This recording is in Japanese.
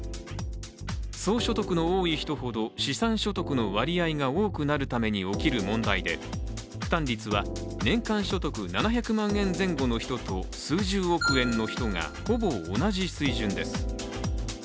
総所得の多い人ほど、資産所得の割合が多くなるために起きる問題で負担率は、年間所得７００万円前後の人と数十億円の人がほぼ同じ水準です。